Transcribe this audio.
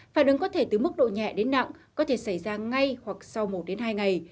phản ứng có thể từ mức độ nhẹ đến nặng có thể xảy ra ngay hoặc sau một đến hai ngày